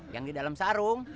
yang di dalam sarung